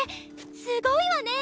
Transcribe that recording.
すごいわね。